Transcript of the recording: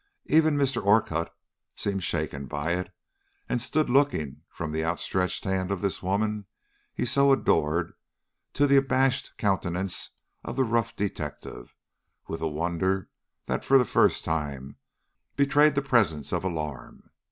Even Mr. Orcutt seemed shaken by it, and stood looking from the outstretched hand of this woman he so adored, to the abashed countenance of the rough detective, with a wonder that for the first time betrayed the presence of alarm.